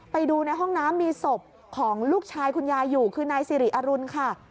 ไปดูในห้องน้ำมีศพของลูกชายคุณยายอยู่คือนายสิริอรุณค่ะ